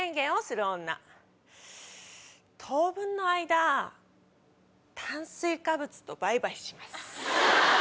当分の間炭水化物とバイバイします。